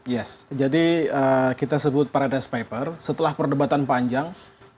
yes jadi kita sebut paradise paper setelah perdebatan panjang